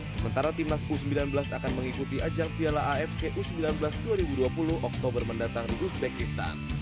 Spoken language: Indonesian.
sementara timnas u sembilan belas akan mengikuti ajang piala afc u sembilan belas dua ribu dua puluh oktober mendatang di uzbekistan